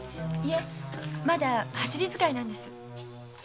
いえまだ走り使いなんです。